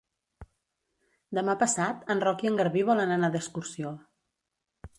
Demà passat en Roc i en Garbí volen anar d'excursió.